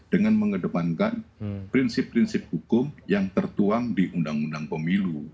dengan mengedepankan prinsip prinsip hukum yang tertuang di undang undang pemilu